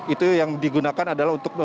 itu yang digunakan adalah untuk